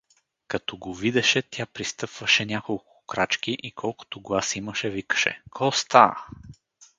Като го видеше, тя пристъпваше няколко крачки и колкото глас имаше, викаше: Коста!